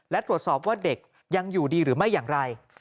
และตรวจสอบว่าเด็กยังอยู่ดีหรือไม่อย่างไร